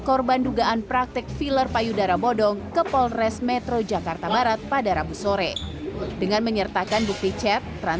korban tertarik menggunakan filler payudara setelah ditawarkan oleh seorang teman yang merupakan selebgram